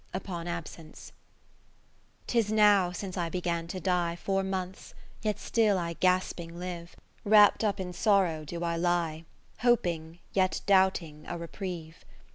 upon Absence I 'Tis now since I began to die Four months, yet still I gasping hve ; Wrapp'd up in sorrow do I lie, Hoping, yet doubting a reprieve.